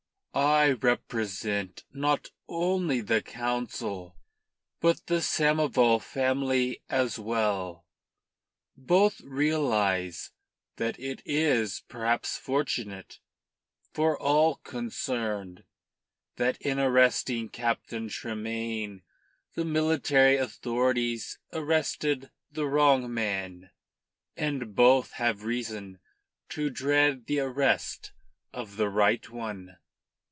"I represent not only the Council, but the Samoval family as well. Both realise that it is perhaps fortunate for all concerned that in arresting Captain Tremayne the military authorities arrested the wrong man, and both have reason to dread the arrest of the right one."